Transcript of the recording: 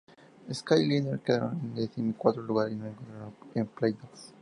Skyliners quedaron en decimocuarto lugar y no entraron en Play-Offs.